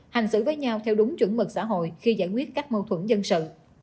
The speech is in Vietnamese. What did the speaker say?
hành xử với nhau theo đúng chuẩn mực xã hội khi giải quyết các mâu thuẫn dân sự